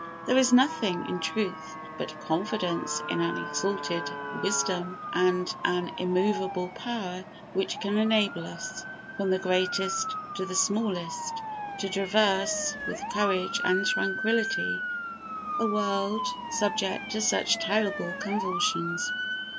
There is nothing, in truth, but confidence in an exalted Wisdom and an immovable Power which can enable us, from the greatest to the smallest, to traverse with courage and tranquillity a world subject to such terrible convulsions.